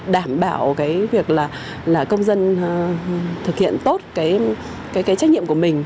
đảm bảo công dân thực hiện tốt trách nhiệm của mình